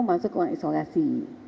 masuk ke ruang isolasi